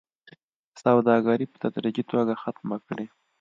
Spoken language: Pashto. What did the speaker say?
سوداګري په تدريجي توګه ختمه کړي